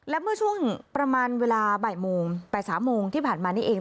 และเมื่อช่วงประมาณเวลา๘๓โมงที่ผ่านมานี่เอง